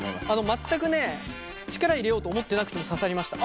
全く力を入れようと思ってなくても刺さりました。